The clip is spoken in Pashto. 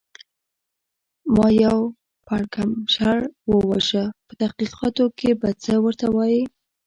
ما یو سر پړکمشر و وژه، په تحقیقاتو کې به څه ورته وایې؟